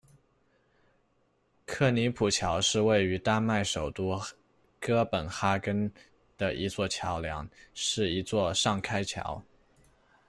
克尼普桥是位于丹麦首都哥本哈根的一座桥梁，是一座上开桥。